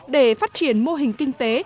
để phát triển mô hình kinh tế